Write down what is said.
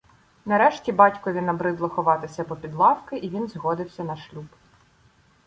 Нарешті батькові набридло ховатися попід лавки і він згодився на шлюб.